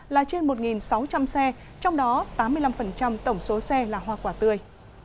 là trên một sáu trăm linh xe trong đó tám mươi năm tổng số xe là hoa quả tươi